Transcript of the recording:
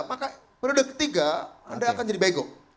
maka periode ketiga anda akan jadi begok